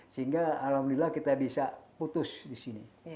sehingga alhamdulillah kita bisa putus disini